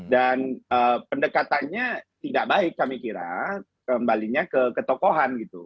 dan pendekatannya tidak baik kami kira kembalinya ke ketokohan gitu